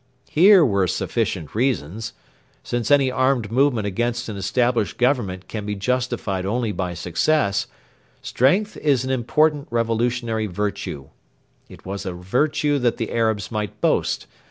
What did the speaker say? Here were sufficient reasons. Since any armed movement against an established Government can be justified only by success, strength is an important revolutionary virtue. It was a virtue that the Arabs might boast.